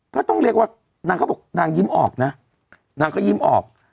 ก็ต้องเรียกว่านางก็บอกนางยิ้มออกนะนางก็ยิ้มออก